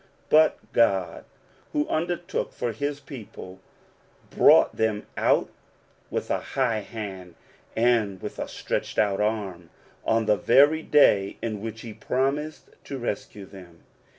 But God, who undertook for his people, brought them out with a high hand, and with an outstretched arm, on the very day in which he promised to rescue them.